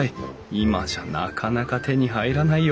今じゃなかなか手に入らないよ